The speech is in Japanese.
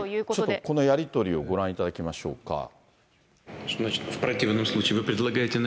ちょっとこのやり取りをご覧いただきましょうか。